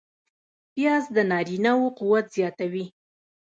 پیاز د نارینه و قوت زیاتوي